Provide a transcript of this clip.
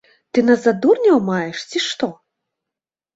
Ты нас за дурняў маеш, ці што?